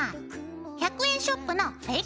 １００円ショップのフェイク